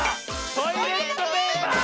「トイレットペーパー」！